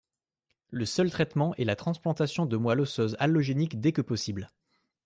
Le seul traitement est la transplantation de moelle osseuse allogénique dès que possible.